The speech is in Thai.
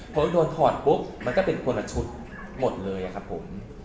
พอโดนถอดปุ๊บมันก็เป็นคนละชุดหมดเลยครับผม